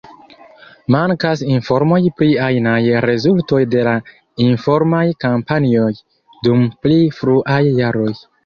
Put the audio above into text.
Mankas informoj pri ajnaj rezultoj de la informaj kampanjoj dum pli fruaj jaroj.